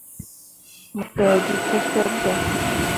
Mo taa gi fet fet dan.